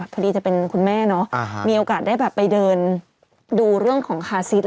พอดีจะเป็นคุณแม่เนอะมีโอกาสได้แบบไปเดินดูเรื่องของคาซิส